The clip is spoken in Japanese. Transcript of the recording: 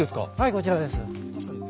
こちらです。